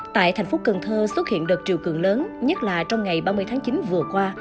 tại thành phố cần thơ xuất hiện đợt triều cường lớn nhất là trong ngày ba mươi tháng chín vừa qua